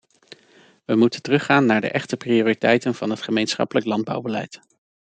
We moeten teruggaan naar de echte prioriteiten van het gemeenschappelijk landbouwbeleid.